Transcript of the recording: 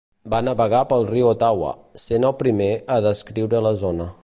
Va navegar pel riu Ottawa, sent el primer a descriure la zona.